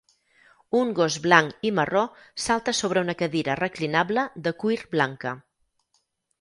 Un gos blanc i marró salta sobre una cadira reclinable de cuir blanca.